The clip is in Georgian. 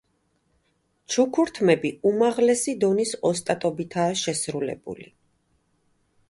ჩუქურთმები უმაღლესი დონის ოსტატობითაა შესრულებული.